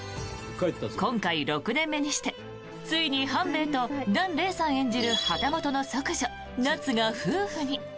今回、６年目にしてついに半兵衛と檀れいさん演じる旗本の息女、奈津が夫婦に！